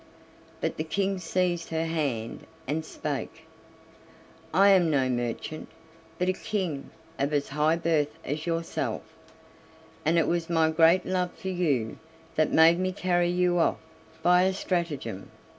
But the King seized her hand and spake: "I am no merchant, but a king of as high birth as yourself; and it was my great love for you that made me carry you off by stratagem.